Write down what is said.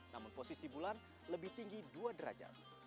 namun posisi bulan lebih tinggi dua derajat